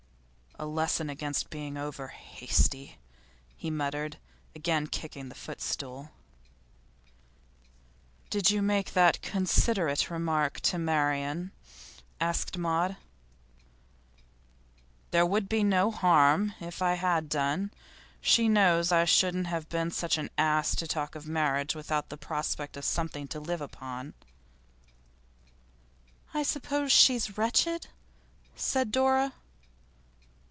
'A lesson against being over hasty,' he muttered, again kicking the footstool. 'Did you make that considerate remark to Marian?' asked Maud. 'There would have been no harm if I had done. She knows that I shouldn't have been such an ass as to talk of marriage without the prospect of something to live upon.' 'I suppose she's wretched?' said Dora.